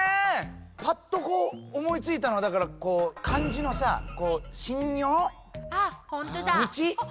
パッとこう思いついたのはだからこうほんとだ。